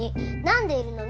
なんで家にいるの？